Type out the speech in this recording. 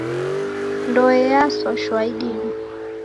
Ndoe yaswa shwaa idime.